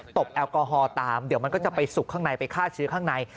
แอลกอฮอล์ตามเดี๋ยวมันก็จะไปสุกข้างในไปฆ่าเชื้อข้างใน